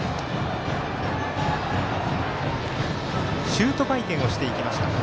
シュート回転をしていきました。